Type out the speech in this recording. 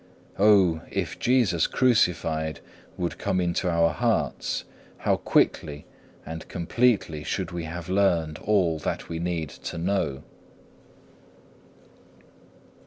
Oh! if Jesus crucified would come into our hearts, how quickly, and completely should we have learned all that we need to know!